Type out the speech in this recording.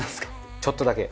ちょっとだけ。